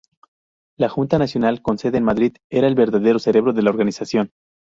La Junta Nacional, con sede en Madrid, era el verdadero cerebro de la organización.